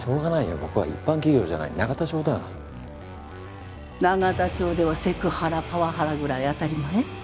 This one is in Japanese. ここは一般企業じゃな永田町ではセクハラパワハラぐらい当たり前？